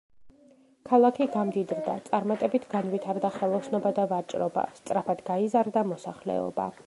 ქალაქი გამდიდრდა, წარმატებით განვითარდა ხელოსნობა და ვაჭრობა, სწრაფად გაიზარდა მოსახლეობა.